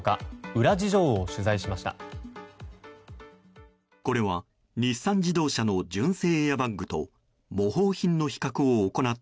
裏事情を取材しました。